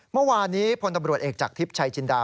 เมื่อวานนี้พลตำรวจเอกจากทิพย์ชัยจินดา